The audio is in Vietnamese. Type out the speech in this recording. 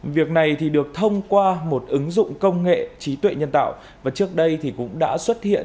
việc này được thông qua một ứng dụng công nghệ trí tuệ nhân tạo và trước đây thì cũng đã xuất hiện